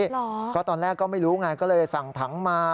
เหรอก็ตอนแรกก็ไม่รู้ไงก็เลยสั่งถังมา